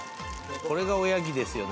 これがおやきですよ